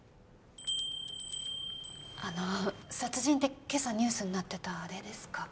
あの殺人って今朝ニュースになってたあれですか？